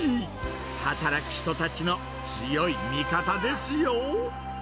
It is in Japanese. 働く人たちの強い味方ですよ。